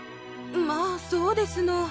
まあそうですの。